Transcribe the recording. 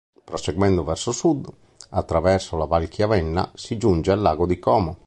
Proseguendo verso sud, attraverso la Valchiavenna, si giunge al Lago di Como.